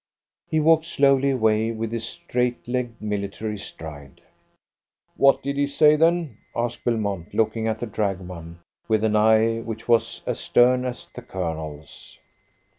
He walked slowly away, with his straight legged military stride. "What did he say, then?" asked Belmont, looking at the dragoman with an eye which was as stern as the Colonel's.